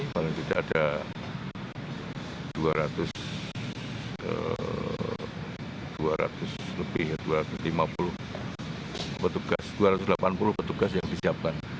paling tidak ada dua ratus lebih dua ratus lima puluh petugas dua ratus delapan puluh petugas yang disiapkan